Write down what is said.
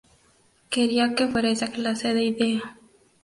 Quería que fuera esa clase de idea.